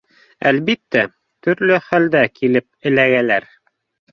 Әлбиттә, төрлө хәлдә килеп эләгәләр